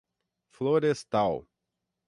Florestal